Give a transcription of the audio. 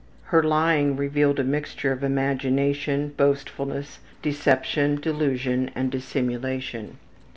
Her lying revealed a mixture of imagination, boastfulness, deception, delusion, and dissimulation.